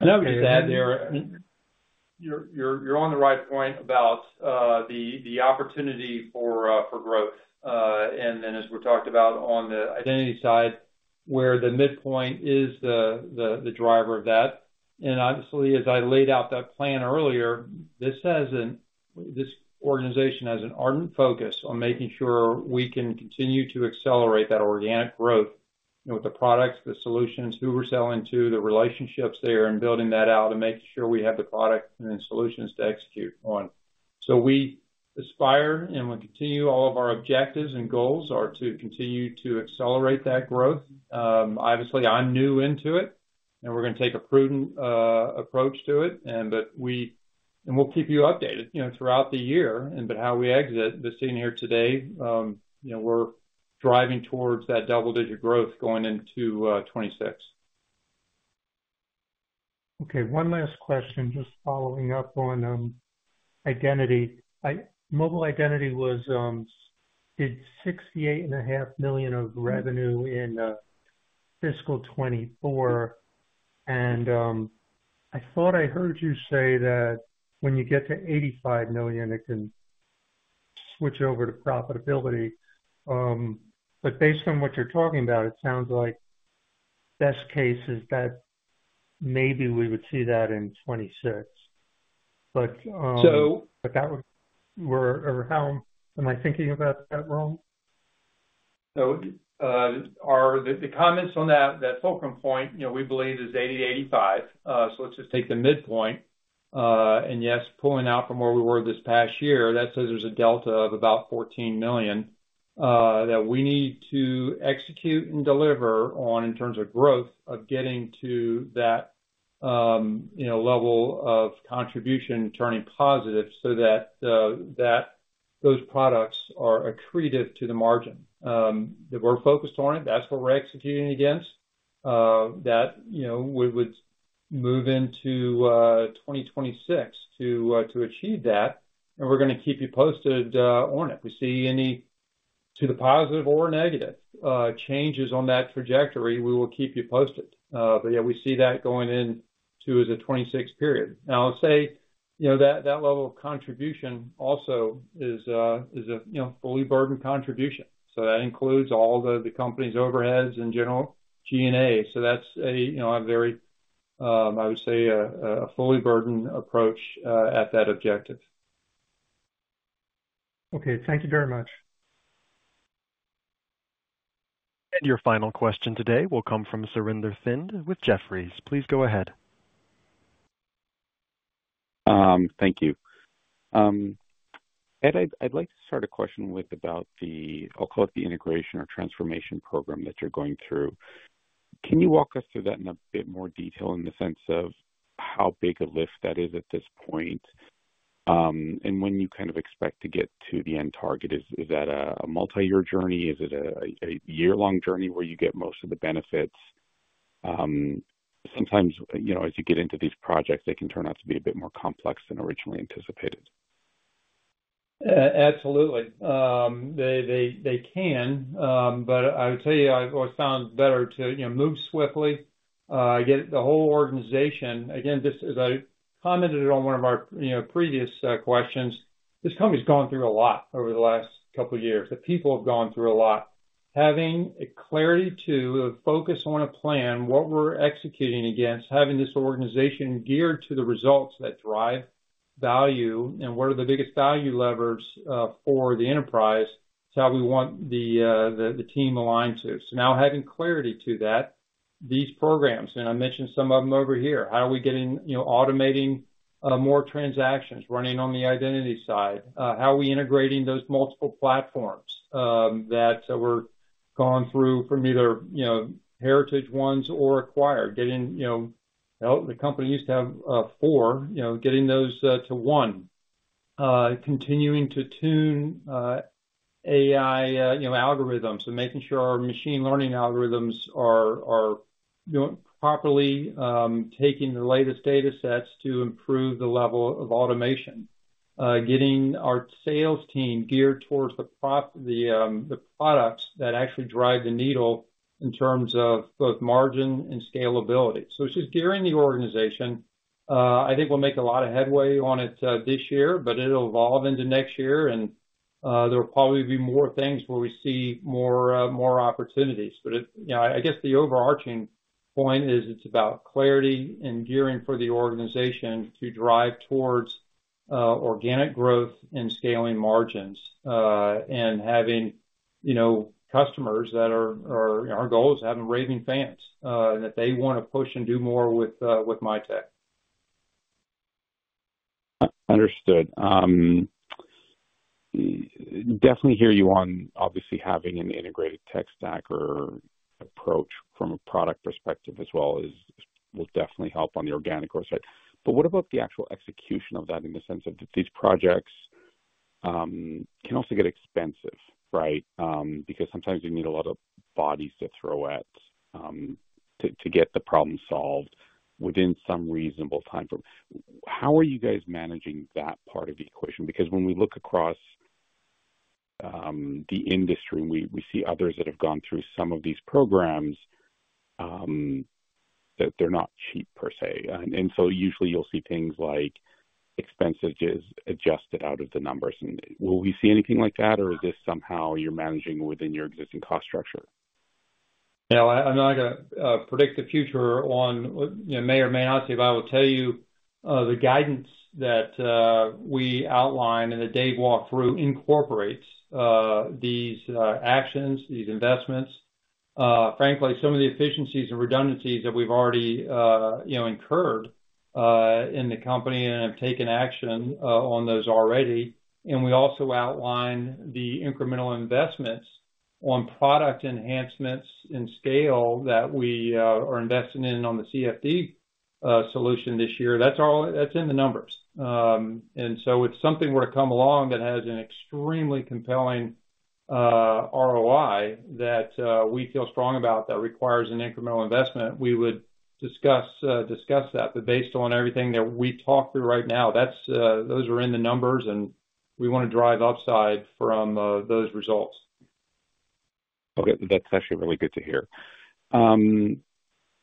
2025. And I would just add there, you're on the right point about the opportunity for growth. And then, as we talked about on the identity side, where the midpoint is the driver of that. And obviously, as I laid out that plan earlier, this organization has an ardent focus on making sure we can continue to accelerate that organic growth with the products, the solutions, who we're selling to, the relationships there, and building that out and making sure we have the product and then solutions to execute on. So we aspire and will continue all of our objectives and goals are to continue to accelerate that growth. Obviously, I'm new into it, and we're going to take a prudent approach to it. And we'll keep you updated throughout the year. But how we exit, the scene here today, we're driving towards that double-digit growth going into 2026. Okay. One last question, just following up on identity. Mobile identity did $68.5 million of revenue in fiscal 2024. I thought I heard you say that when you get to $85 million, it can switch over to profitability. But based on what you're talking about, it sounds like best case is that maybe we would see that in 2026. But that would or how am I thinking about that wrong? The comments on that fulcrum point, we believe is 80-85. Let's just take the midpoint. Yes, pulling out from where we were this past year, that says there's a delta of about $14 million that we need to execute and deliver on in terms of growth of getting to that level of contribution turning positive so that those products are accretive to the margin. We're focused on it. That's what we're executing against. We would move into 2026 to achieve that. We're going to keep you posted on it. If we see any to the positive or negative changes on that trajectory, we will keep you posted. But yeah, we see that going into the 26 period. Now, I'll say that level of contribution also is a fully burdened contribution. So that includes all the company's overheads and general G&A. So that's a very, I would say, a fully burdened approach at that objective. Okay. Thank you very much. And your final question today will come from Surinder Thind with Jefferies. Please go ahead. Thank you. Ed, I'd like to start a question with about the, I'll call it the integration or transformation program that you're going through. Can you walk us through that in a bit more detail in the sense of how big a lift that is at this point? And when you kind of expect to get to the end target, is that a multi-year journey? Is it a year-long journey where you get most of the benefits? Sometimes as you get into these projects, they can turn out to be a bit more complex than originally anticipated. Absolutely. They can. But I would tell you, it always sounds better to move swiftly, get the whole organization. Again, just as I commented on one of our previous questions, this company's gone through a lot over the last couple of years. The people have gone through a lot. Having clarity to focus on a plan, what we're executing against, having this organization geared to the results that drive value, and what are the biggest value levers for the enterprise, it's how we want the team aligned to. So now having clarity to that, these programs, and I mentioned some of them over here, how are we automating more transactions running on the identity side? How are we integrating those multiple platforms that we're going through from either heritage ones or acquired? The company used to have four, getting those to one. Continuing to tune AI algorithms and making sure our machine learning algorithms are properly taking the latest data sets to improve the level of automation. Getting our sales team geared towards the products that actually drive the needle in terms of both margin and scalability. So it's just gearing the organization. I think we'll make a lot of headway on it this year, but it'll evolve into next year. And there will probably be more things where we see more opportunities. But I guess the overarching point is it's about clarity and gearing for the organization to drive towards organic growth and scaling margins and having customers that are our goal is having raving fans and that they want to push and do more with Mitek. Understood. Definitely hear you on obviously having an integrated tech stack or approach from a product perspective as well as will definitely help on the organic growth side. But what about the actual execution of that in the sense of these projects can also get expensive, right? Because sometimes you need a lot of bodies to throw at to get the problem solved within some reasonable timeframe. How are you guys managing that part of the equation? Because when we look across the industry, we see others that have gone through some of these programs that they're not cheap per se. And so usually you'll see things like expenses just adjusted out of the numbers. And will we see anything like that, or is this somehow you're managing within your existing cost structure? Now, I'm not going to predict the future on what we may or may not say, but I will tell you the guidance that we outlined and that Dave walked through incorporates these actions, these investments. Frankly, some of the efficiencies and redundancies that we've already incurred in the company and have taken action on those already. And we also outlined the incremental investments on product enhancements and scale that we are investing in on the CFD solution this year. That's in the numbers. And so it's something where if something were to come along that has an extremely compelling ROI that we feel strongly about that requires an incremental investment. We would discuss that. But based on everything that we talked through right now, those are in the numbers, and we want to drive upside from those results. Okay. That's actually really good to hear.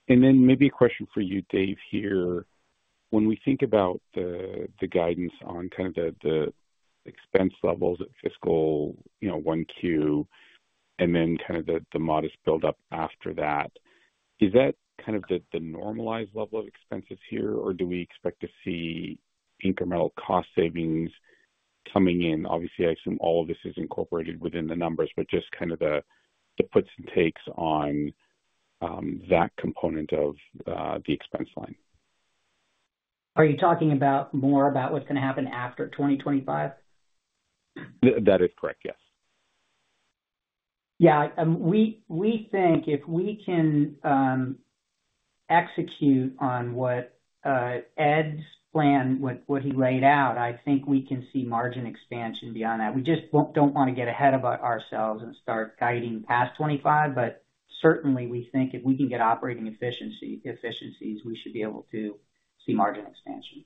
And then maybe a question for you, Dave, here. When we think about the guidance on kind of the expense levels at fiscal 1Q and then kind of the modest buildup after that, is that kind of the normalized level of expenses here, or do we expect to see incremental cost savings coming in? Obviously, I assume all of this is incorporated within the numbers, but just kind of the puts and takes on that component of the expense line. Are you talking about more about what's going to happen after 2025? That is correct. Yes. Yeah. We think if we can execute on what Ed's plan, what he laid out, I think we can see margin expansion beyond that. We just don't want to get ahead of ourselves and start guiding past 25, but certainly we think if we can get operating efficiencies, we should be able to see margin expansion.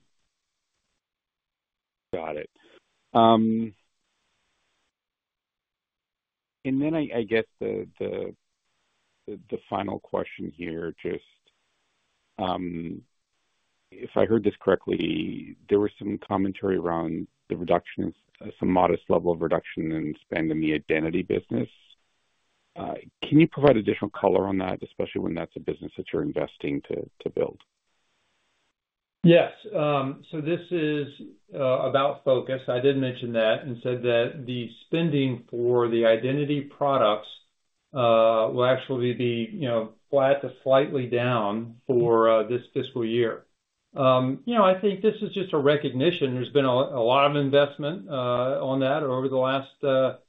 Got it. And then I guess the final question here, just if I heard this correctly, there was some commentary around the reductions, some modest level of reduction in spend in the identity business. Can you provide additional color on that, especially when that's a business that you're investing to build? Yes. So this is about focus. I did mention that and said that the spending for the identity products will actually be flat to slightly down for this fiscal year. I think this is just a recognition. There's been a lot of investment on that over the last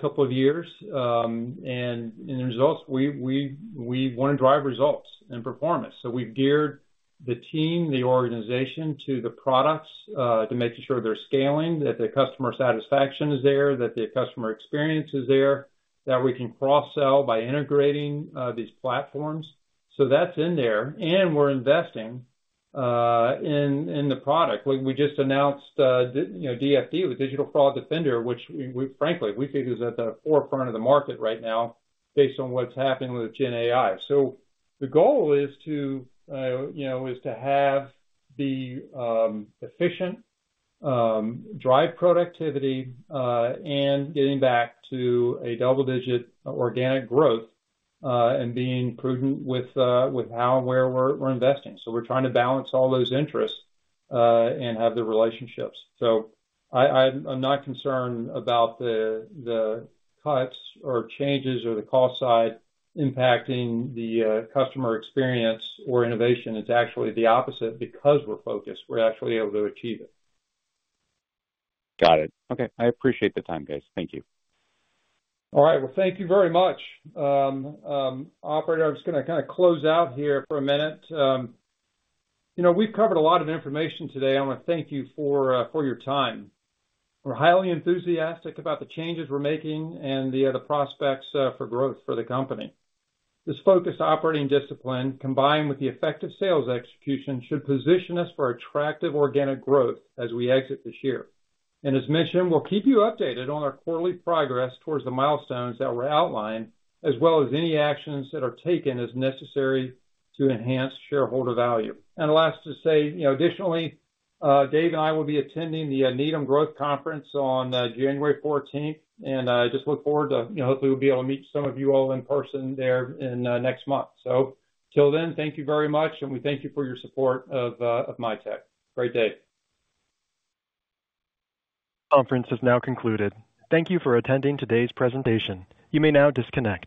couple of years. In the results, we want to drive results and performance. We've geared the team, the organization to the products to make sure they're scaling, that the customer satisfaction is there, that the customer experience is there, that we can cross-sell by integrating these platforms. That's in there. We're investing in the product. We just announced DFD with Digital Fraud Defender, which frankly, we think is at the forefront of the market right now based on what's happening with Gen AI. The goal is to have the efficient, drive productivity, and getting back to a double-digit organic growth and being prudent with how and where we're investing. We're trying to balance all those interests and have the relationships. I'm not concerned about the cuts or changes or the cost side impacting the customer experience or innovation. It's actually the opposite because we're focused. We're actually able to achieve it. Got it. Okay. I appreciate the time, guys. Thank you. All right. Thank you very much. Operator, I'm just going to kind of close out here for a minute. We've covered a lot of information today. I want to thank you for your time. We're highly enthusiastic about the changes we're making and the prospects for growth for the company. This focused operating discipline combined with the effective sales execution should position us for attractive organic growth as we exit this year. As mentioned, we'll keep you updated on our quarterly progress towards the milestones that were outlined, as well as any actions that are taken as necessary to enhance shareholder value. Last to say, additionally, Dave and I will be attending the Needham Growth Conference on January 14th. I just look forward to hopefully we'll be able to meet some of you all in person there next month. Until then, thank you very much. We thank you for your support of Mitek. Great day. Conference has now concluded. Thank you for attending today's presentation. You may now disconnect.